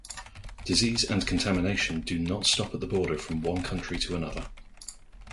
Disease and contamination do not stop at the border from one country to another.